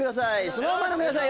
ＳｎｏｗＭａｎの皆さん